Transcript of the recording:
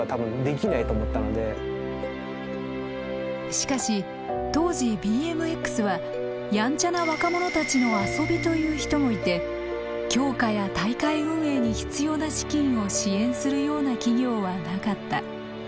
しかし当時ＢＭＸはヤンチャな若者たちの遊びという人もいて強化や大会運営に必要な資金を支援するような企業はなかった。